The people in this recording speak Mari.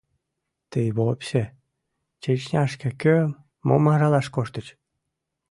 Тый вообще, Чечняшке кӧм, мом аралаш коштыч?